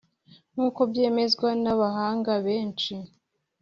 nk’uko byemezwa n’abahanga benshi